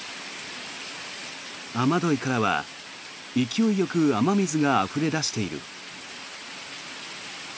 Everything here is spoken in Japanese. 雨どいからは勢いよく雨水があふれ出している。